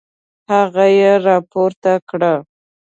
هغه يې راپورته کړه.